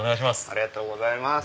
ありがとうございます